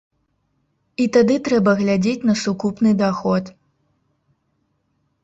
І тады трэба глядзець на сукупны даход.